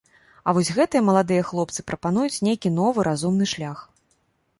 А вось гэтыя маладыя хлопцы прапануюць нейкі новы разумны шлях.